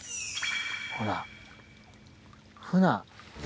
ほらフナ。